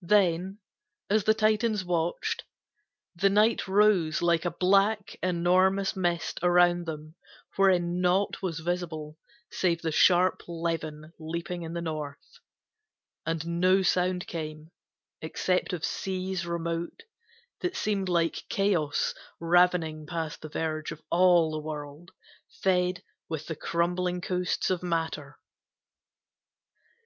Then, as the Titans watched, The night rose like a black, enormous mist Around them, wherein naught was visible Save the sharp levin leaping in the north; And no sound came, except of seas remote, That seemed like Chaos ravening past the verge Of all the world, fed with the crumbling coasts Of Matter.